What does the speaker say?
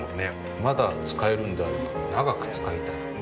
まだ使えるんであれば長く使いたい。